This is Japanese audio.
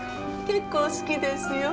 結構好きですよ。